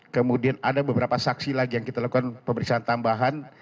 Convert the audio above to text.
kemudian ada beberapa saksi lagi yang kita lakukan pemeriksaan tambahan